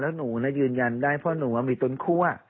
แล้วหนูยืนยันได้เพราะหนูมีต้นคั่ว